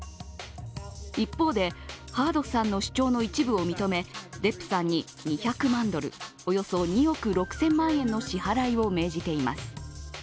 一方で、ハードさんの主張の一部を認めデップさんに２００万ドル、およそ２億６０００万円の支払いを命じています。